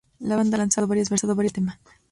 La banda ha lanzado varias versiones del tema.